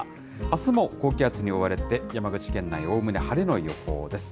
あすも高気圧に覆われて、山口県内、おおむね晴れの予報です。